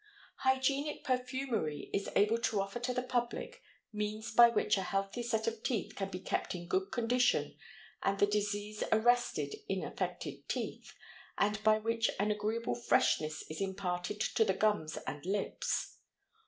Hygienic perfumery is able to offer to the public means by which a healthy set of teeth can be kept in good condition and the disease arrested in affected teeth, and by which an agreeable freshness is imparted to the gums and lips.